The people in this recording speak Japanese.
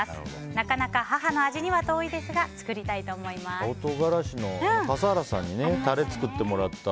なかなか母の味には遠いですが青唐辛子の笠原さんにタレ作ってもらった。